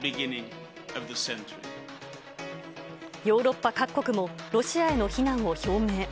ヨーロッパ各国も、ロシアへの非難を表明。